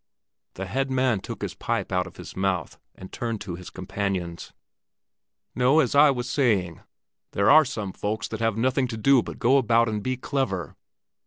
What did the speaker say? The head man took his pipe out of his mouth and turned to his companions: "No, as I was saying, there are some folks that have nothing to do but go about and be clever."